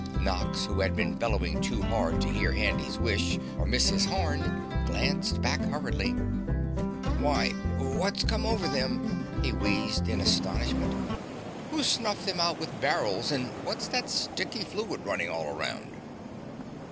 Nox, who had been bellowing too hard to hear Handy's wish or miss his horn glanced back hurriedly. "Why! What's come over them?" he wheezed in astonishment. "Who snuffed them out with barrels and what's that sticky fluid running all around?"